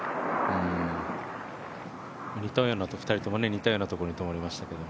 ２人とも、似たようなところに止まりましたけど。